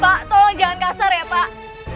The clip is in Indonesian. pak tolong jangan kasar ya pak